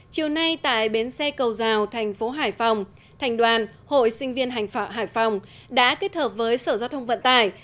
chiều nay tại bến xe cầu giao thành phố hải phòng thành đoàn hội sinh viên hành phạ hải phòng đã kết hợp với sở giao thông vận tải